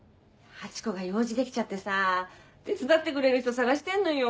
ハチ子が用事できちゃってさ手伝ってくれる人探してんのよ。